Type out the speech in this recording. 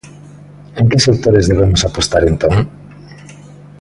En que sectores debemos apostar entón?